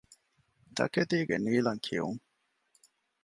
ތަކެތީގެ ނީލަންކިޔުން